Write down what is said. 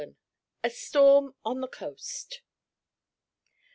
A STORM ON THE COAST.